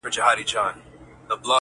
• رسنۍ او پوليس صحنه ننداره کوي..